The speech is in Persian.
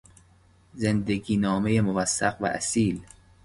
زندگینامهی موثق و اصیل